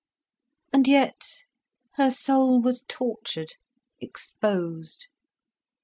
And yet her soul was tortured, exposed.